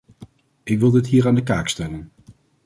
Ik wil dit hier aan de kaak stellen.